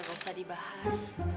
gak usah dibahas